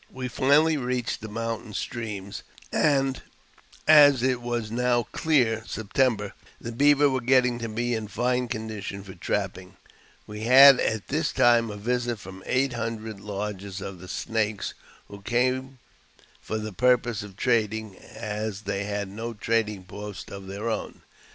We finally reached the moun tain streams, and, as it was now near September, the beaver were getting to be in fine condition for trapping. )n i 3n 5ir at • oid I JAMES P. BECKWOUBTH. 303 We had at this time a visit from eight hundred lodges of the Snakes, who came for the purpose of trading, as they had no trading post of their own.